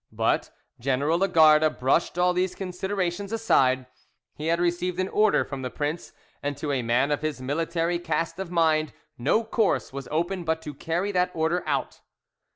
But General Lagarde brushed all these considerations aside: he had received an order from the prince, and to a man of his military cast of mind no course was open but to carry that order out.